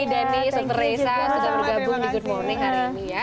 terima kasih juga mbak esa sudah bergabung di good morning hari ini ya